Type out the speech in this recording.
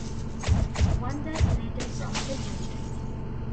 One died later from head injuries.